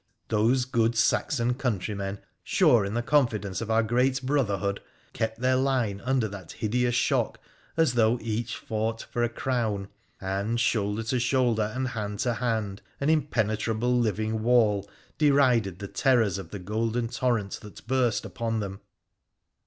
Those good Saxon countrymen, sure in the confidence of our great brotherhood, kept their line under that hideous shock as though each fought for a crown, and, shoulder to shoulder and hand to hand, an impenetrable living wall derided the terrors of the golden torrent that burst upon them.